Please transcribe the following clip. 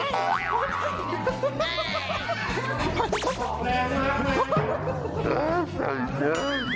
ก็ไปกันแล้ว